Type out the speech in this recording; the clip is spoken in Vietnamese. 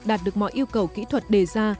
đạt được mọi yêu cầu kỹ thuật đề ra